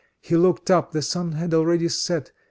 He looked up the sun had already set.